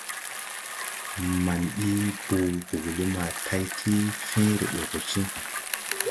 Maŋ ɓi boo boole ma tay ti fẽẽre ɓe go ciŋ.